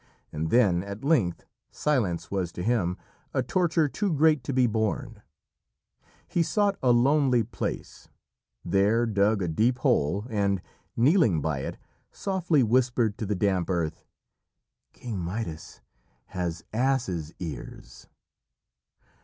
And then, at length, silence was to him a torture too great to be borne; he sought a lonely place, there dug a deep hole, and, kneeling by it, softly whispered to the damp earth: "King Midas has ass's ears."